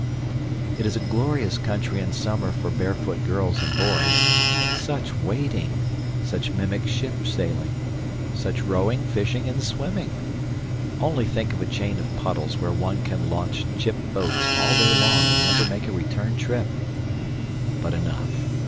It is a glorious country in summer for barefoot girls and boys. Such wading! Such mimic ship sailing! Such rowing, fishing, and swimming! Only think of a chain of puddles where one can launch chip boats all day long and never make a return trip! But enough.